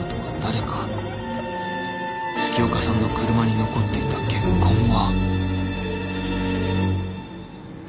［月岡さんの車に残っていた血痕は？］